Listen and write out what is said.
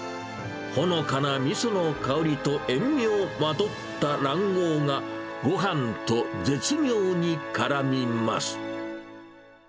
ほのかなみその香りと、塩味をまとった卵黄が、ごはんと絶妙にからみます。